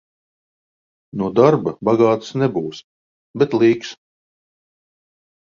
No darba bagāts nebūsi, bet līks.